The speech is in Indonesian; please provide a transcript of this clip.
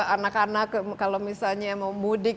anak anak kalau misalnya mau mudik